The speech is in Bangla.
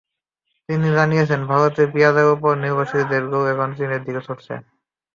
তিনি জানিয়েছেন, ভারতের পেঁয়াজের ওপর নির্ভরশীল দেশগুলো এখন চীনের দিকে ছুটছে।